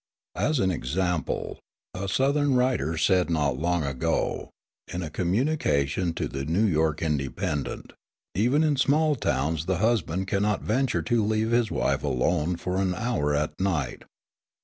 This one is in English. As an example, a Southern writer said not long ago, in a communication to the New York Independent: "Even in small towns the husband cannot venture to leave his wife alone for an hour at night.